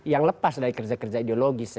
yang lepas dari kerja kerja ideologis